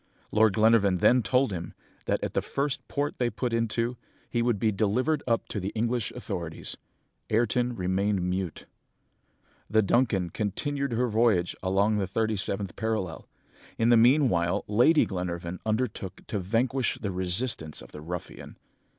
Lord Glenarvan then told him, that at the first port they put into, he would be delivered up to the English authorities. Ayrton remained mute. "The Duncan continued her voyage along the thirty seventh parallel. In the meanwhile, Lady Glenarvan undertook to vanquish the resistance of the ruffian.